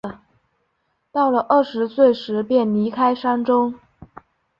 到了二十岁时便离开山中。